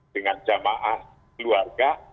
dengan jamaah keluarga